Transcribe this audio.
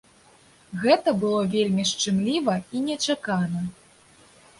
Гэта было вельмі шчымліва і нечакана.